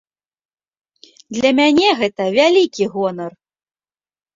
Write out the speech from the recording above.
Для мяне гэта вялікі гонар.